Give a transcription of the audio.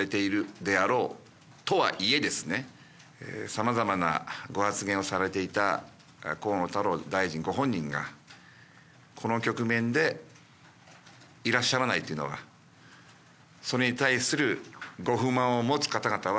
さまざまなご発言をされていた河野太郎大臣ご本人がこの局面でいらっしゃらないというのはそれに対する。